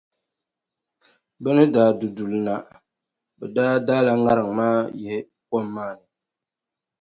Bɛ ni daa du duli na, bɛ daa daala ŋariŋ maa yihi kom maa ni.